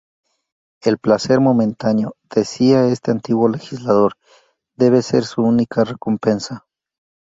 El placer momentáneo, decía este antiguo legislador, debe ser su única recompensa.